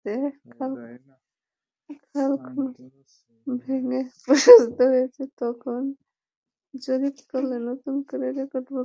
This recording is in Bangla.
খাল যখন ভেঙে প্রশস্ত হয়েছে, তখন জরিপকালে নতুন করে রেকর্ডভুক্ত করা হয়নি।